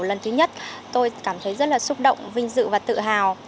lần thứ nhất tôi cảm thấy rất là xúc động vinh dự và tự hào